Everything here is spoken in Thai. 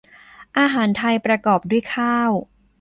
อาหารไทยประกอบด้วยข้าว